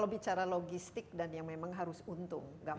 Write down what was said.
auch harus ngulur organizations sendiri yang menguntungkan